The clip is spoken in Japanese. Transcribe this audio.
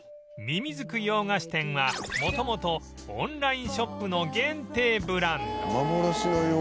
みみずく洋菓子店は元々オンラインショップの限定ブランドへえ！